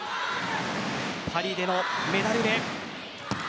パリでのメダルへ。